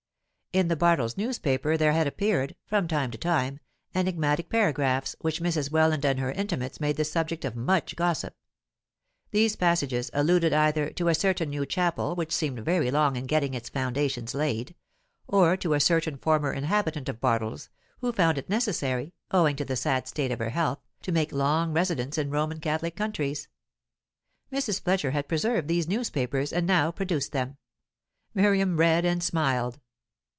In the Bartles newspaper there had appeared, from time to time, enigmatic paragraphs, which Mrs. Welland and her intimates made the subject of much gossip; these passages alluded either to a certain new chapel which seemed very long in getting its foundations laid, or to a certain former inhabitant of Bartles, who found it necessary, owing to the sad state of her health, to make long residence in Roman Catholic countries. Mrs. Fletcher had preserved these newspapers, and now produced them. Miriam read and smiled.